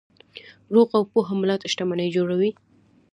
روغ او پوهه ملت شتمني جوړوي.